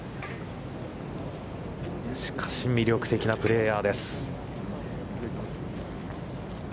しかし、魅力的なプレーヤーです。